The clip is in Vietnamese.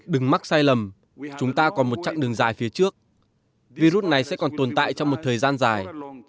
đừng mắc sai lầm chúng ta còn một chặng đường dài phía trước virus này sẽ còn tồn tại trong một thời gian dài